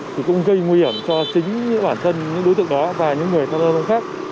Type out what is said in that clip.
thì cũng gây nguy hiểm cho chính bản thân những đối tượng đó và những người khác